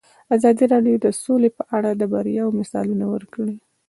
ازادي راډیو د سوله په اړه د بریاوو مثالونه ورکړي.